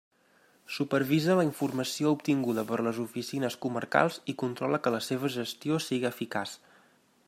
Supervisa la informació obtinguda per les oficines comarcals i controla que la seva gestió sigui eficaç.